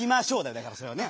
だからそれはね。